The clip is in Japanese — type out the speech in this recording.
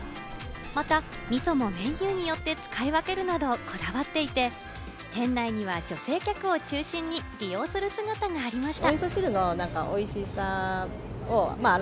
また、みそもメニューによって使い分けるなどこだわっていて、店内には女性客を中心に利用する姿がありました。